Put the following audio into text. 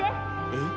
えっ。